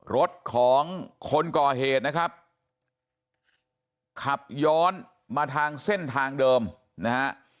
รถของคนก่อเหตุนะครับขับย้อนมาทางเส้นทางเดิมนะฮะ